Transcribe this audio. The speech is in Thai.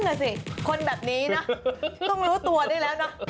นั่นแหละสิคนแบบนี้นะต้องรู้ตัวนี่แล้วนะ